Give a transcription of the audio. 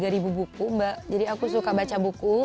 aku bawa lebih dari tiga ribu buku mbak jadi aku suka baca buku